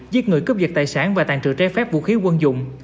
giết người cướp dật tài sản và tàn trự trái phép vũ khí quân dụng